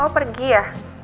mama pergi ya